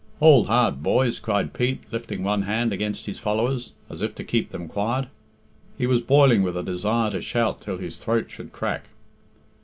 "Hould hard, boys!" cried Pete, lifting one hand against his followers, as if to keep them quiet. He was boiling with a desire to shout till his throat should crack.